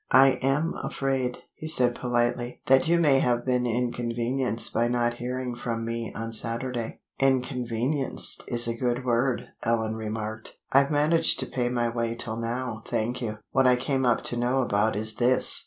"I am afraid," he said politely, "that you may have been inconvenienced by not hearing from me on Saturday." "'Inconvenienced' is a good word," Ellen remarked. "I've managed to pay my way till now, thank you. What I came up to know about is this!"